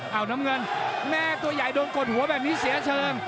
เอาน้ำเงินแม่ตัวใหญ่โดนกดหัวแบบนี้เสียเชิง